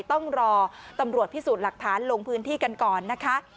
ต้องรอตำรวจพิสูจน์หลักฐานลงพื้นที่กันก่อนนะคะ